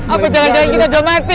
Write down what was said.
apa jangan jangan kita udah mati